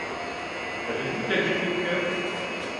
Avez-vous de la gaîté au coeur ?